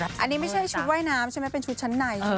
อันนี้ไม่ใช่ชุดว่ายน้ำใช่ไหมเป็นชุดชั้นใน